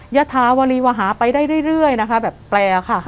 ยธาวรีวหาไปได้เรื่อยนะคะแบบแปลค่ะ